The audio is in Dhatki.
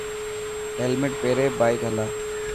هيلمٽ پيري بائڪ هلاءِ.